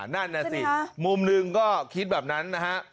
นั่นนะสิมุมหนึ่งก็คิดแบบนั้นนะฮะใช่ไหมคะ